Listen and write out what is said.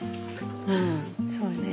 うんそうやね。